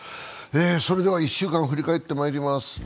それでは、１週間振り返ってまいります。